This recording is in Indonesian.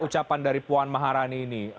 ucapan dari puan maharani ini